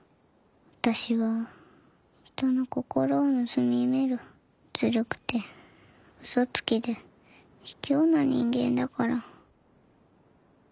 私は人の心を盗み見るずるくてうそつきでひきょうな人間だから。